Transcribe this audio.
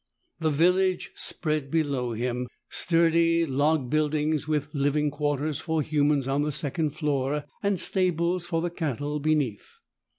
The village spread below him, sturdy log buildings with living quarters for humans on the second floor and stables for the cattle beneath.